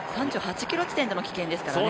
３８ｋｍ地点での棄権ですからね。